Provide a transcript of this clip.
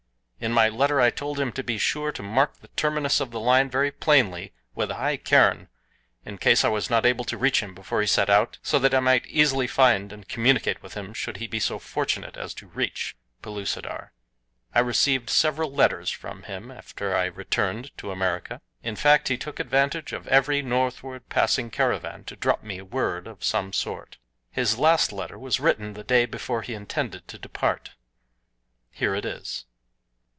In my letter I told him to be sure to mark the terminus of the line very plainly with a high cairn, in case I was not able to reach him before he set out, so that I might easily find and communicate with him should he be so fortunate as to reach Pellucidar. I received several letters from him after I returned to America in fact he took advantage of every northward passing caravan to drop me word of some sort. His last letter was written the day before he intended to depart. Here it is.